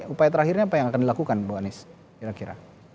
upaya terakhirnya apa yang akan dilakukan bu anies kira kira